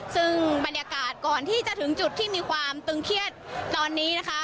ซึ่งบรรยากาศก่อนที่จะถึงจุดที่มีความตึงเครียดตอนนี้นะคะ